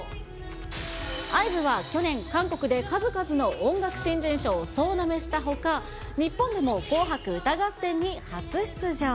ＩＶＥは去年、数々の音楽新人賞を総なめしたほか、日本でも紅白歌合戦に初出場。